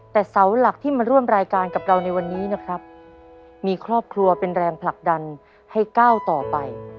แต่เสาหลักที่มาร่วมรายการกับเราในวันนี้นะครับมีครอบครัวเป็นแรงผลักดันให้ก้าวต่อไป